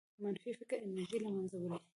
منفي فکر انرژي له منځه وړي.